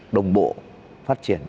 đồng bộ phát triển